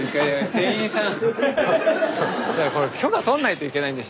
店員さん！